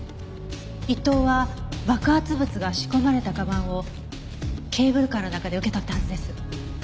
伊藤は爆発物が仕込まれた鞄をケーブルカーの中で受け取ったはずです。